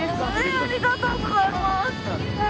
ありがとうございます。